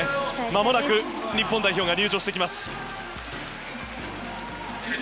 まもなく日本代表が入場してきます。